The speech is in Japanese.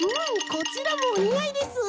こちらもおにあいです！